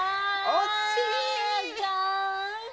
おしい！